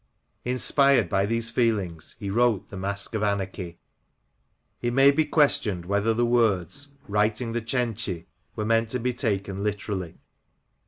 Inspired by these feelings he wrote the Masque of Anarchy. ..." It may be questioned whether the words '* writing The Cenci" were meant to be taken literally.